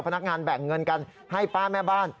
พนักงานแบ่งเงินกันให้ป้าแม่บ้าน